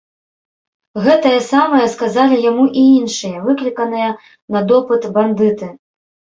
Гэтае самае сказалі яму і іншыя, выкліканыя на допыт, бандыты.